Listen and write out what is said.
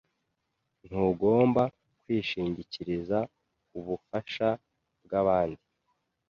Ntugomba kwishingikiriza kubufasha bwabandi.